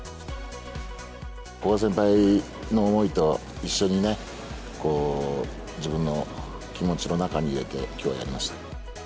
古賀先輩の思いと一緒にね、自分の気持ちの中に入れて、きょうはやりました。